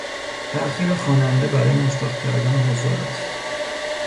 تاخیر خواننده برای مشتاق کردن حضار است.